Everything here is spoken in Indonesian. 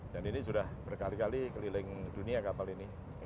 dan ini sudah berkali kali keliling dunia kapal ini